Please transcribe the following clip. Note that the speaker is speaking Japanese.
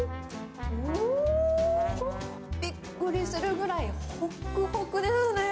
おー、びっくりするぐらいほっくほくですね。